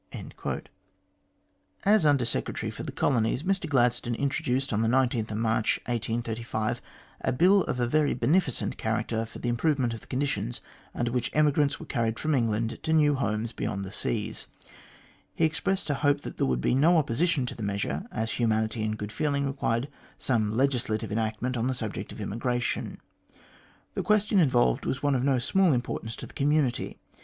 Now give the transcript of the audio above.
224 THE GLADSTONE COLONY As Under Secretary for the Colonies, Mr Gladstone intro duced on March 19, 1835, a Bill of a very beneficent character for the improvement of the conditions under which emi grants were carried from England to new homes beyond the seas. He expressed a hope that there would be no opposi tion to the measure, as humanity and good feeling required some legislative enactment on the subject of emigration. The question involved was one of no small importance to the community.